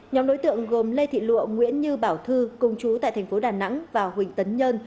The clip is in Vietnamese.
nhóm đối tượng gồm lê thị lụa nguyễn như bảo thư công chú tại thành phố đà nẵng và huỳnh tấn nhân